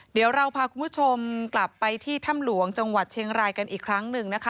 เดี๋ยวเราพาคุณผู้ชมกลับไปที่ถ้ำหลวงจังหวัดเชียงรายกันอีกครั้งหนึ่งนะคะ